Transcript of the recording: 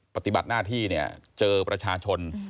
ปฏิบัติหน้าที่เนี่ยเจอประชาชน